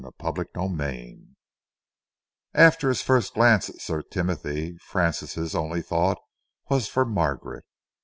CHAPTER XXII After his first glance at Sir Timothy, Francis' only thought was for Margaret.